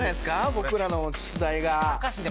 僕らの出題が。